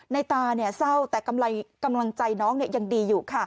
ในตาเนี่ยเศร้าแต่กำไรกำลังใจน้องเนี่ยยังดีอยู่ค่ะ